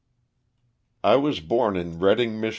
T WAS born in Reading, Mich.